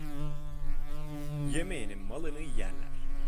Yemeyenin malını yerler.